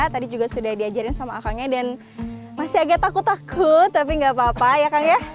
tadi juga sudah diajarin sama akangnya dan masih agak takut takut tapi nggak apa apa ya kang ya